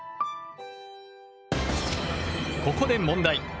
ここで問題。